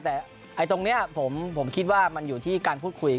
แต่ตรงนี้ผมคิดว่ามันอยู่ที่การพูดคุย